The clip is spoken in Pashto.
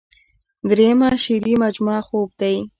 دريمه شعري مجموعه خوب دے ۔